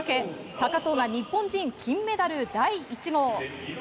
高藤が日本人金メダル第１号。